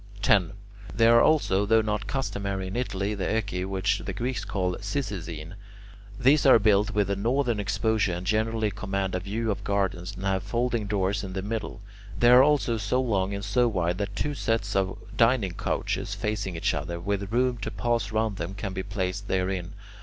10. There are also, though not customary in Italy, the oeci which the Greeks call Cyzicene. These are built with a northern exposure and generally command a view of gardens, and have folding doors in the middle. They are also so long and so wide that two sets of dining couches, facing each other, with room to pass round them, can be placed therein.